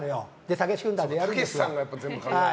たけし軍団でやるんです。